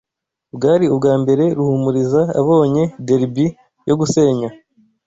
Bwari ubwambere Ruhumuriza abonye derby yo gusenya.